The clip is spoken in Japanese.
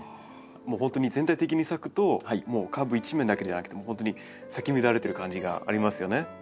もう本当に全体的に咲くと株一面だけじゃなくて本当に咲き乱れてる感じがありますよね。